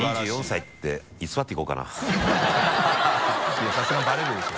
いやさすがにバレるでしょ。